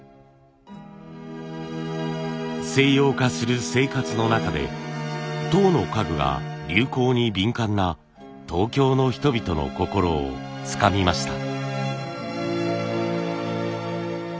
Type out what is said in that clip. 西洋化する生活の中で籐の家具が流行に敏感な東京の人々の心をつかみました。